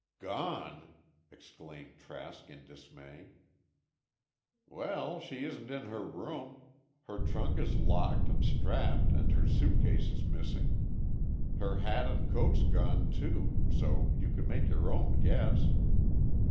"Gone!" exclaimed Trask in dismay. "Well, she isn't in her room. Her trunk is locked and strapped and her suitcase is missing. Her hat and coat's gone, too, so you can make your own guess."